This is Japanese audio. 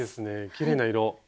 きれいな色。